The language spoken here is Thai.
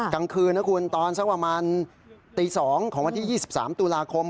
กลางคืนนะคุณตอนสักประมาณตี๒ของวันที่๒๓ตุลาคม